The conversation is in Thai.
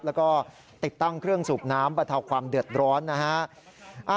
แล้วก็ติดตั้งเครื่องสูบน้ำบรรเทาความเดือดร้อนนะฮะ